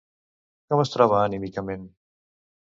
Com es troba anímicament?